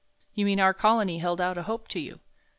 "You mean our Colony held out a hope to you."